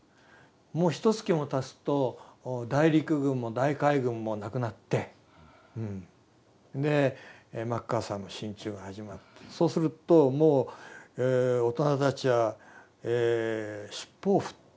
もうひとつきもたつと大陸軍も大海軍もなくなってでマッカーサーの進駐が始まってそうするともう大人たちは尻尾を振って民主主義だって言いだした。